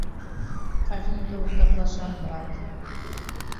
Ҡайғыңды уртаҡлашам, брат.